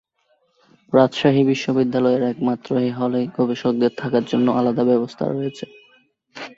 রাজশাহী বিশ্ববিদ্যালয়ের একমাত্র এই হলেই গবেষকদের থাকার জন্য আলাদা ব্যবস্থা রয়েছে।